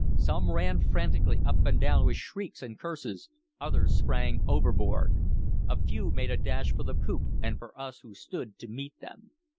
Some ran frantically up and down with shrieks and curses; others sprang overboard. A few made a dash for the poop and for us who stood to meet them.